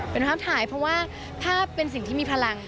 เป็นภาพถ่ายเพราะว่าภาพเป็นสิ่งที่มีพลัง